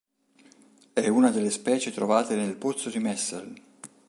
È una delle specie trovate nel pozzo di Messel.